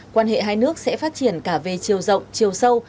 quan hệ hai nước sẽ phát triển cả về chiều rộng chiều sâu